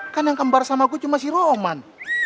kan yang kembar sama aku cuma si roman